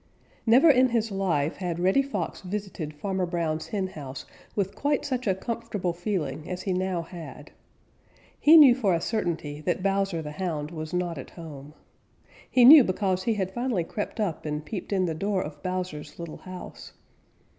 _ Never in his life had Reddy Fox visited Farmer Brown's henhouse with quite such a comfortable feeling as he now had. He knew for a certainty that Bowser the Hound was not at home. He knew because he had finally crept up and peeped in the door of Bowser's little house.